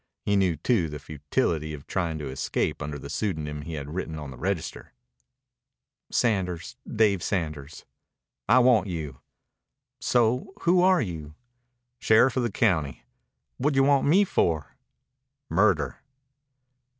He knew, too, the futility of trying to escape under the pseudonym he had written on the register. "Sanders Dave Sanders." "I want you." "So? Who are you?" "Sheriff of the county." "Whadjawant me for?" "Murder."